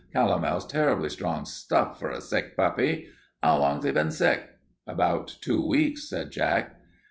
Calomel's terrible strong stuff for a sick puppy. 'Ow long 'as 'e been sick?" "About two weeks," said Jack.